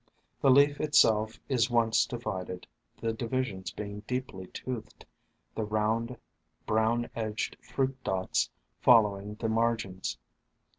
The leaf itself is once divided, the divisions being deeply toothed, the round, brown edged fruit dots following the margins.